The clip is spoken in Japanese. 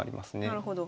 なるほど。